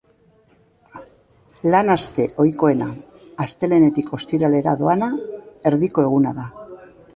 Lan-aste ohikoena, astelehenetik ostiralera doana, erdiko eguna da.